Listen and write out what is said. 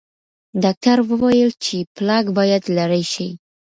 ډاکټر وویل چې پلاک باید لرې شي.